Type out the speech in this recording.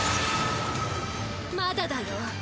まだだよ。